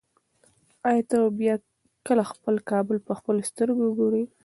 ایا ته به بیا کله خپل کابل په خپلو سترګو وګورې؟